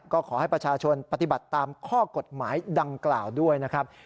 ก็ขอให้ประชาชนปฏิบัติตามข้อกฎหมายดังกล่าวด้วยนะครับ